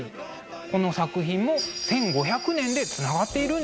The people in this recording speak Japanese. この作品も１５００年でつながっているんですね。